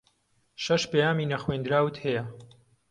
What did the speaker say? شەش پەیامی نەخوێندراوت ھەیە.